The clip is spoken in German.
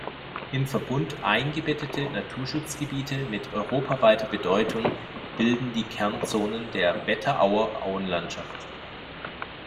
Im Verbund eingebettete Naturschutzgebiete mit europaweiter Bedeutung bilden die Kernzonen der Wetterauer Auenlandschaft.